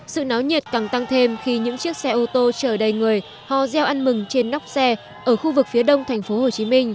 sự náo nhiệt càng tăng thêm khi những chiếc xe ô tô chở đầy người hò gieo ăn mừng trên nóc xe ở khu vực phía đông tp hcm